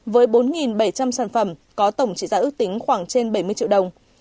với bốn bảy trăm linh sản phẩm có tổng trị giá ước tính khoảng trên bảy mươi triệu đồng